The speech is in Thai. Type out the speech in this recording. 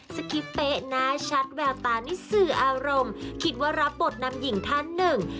คริปเป๊ะหน้าชัดแววตานี่สื่ออารมณ์คิดว่ารับบทนำหญิงท่านหนึ่ง